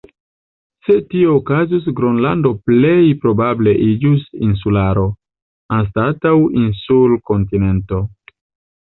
Se tio okazus Gronlando plej probable iĝus insularo, anstataŭ insul-kontinento.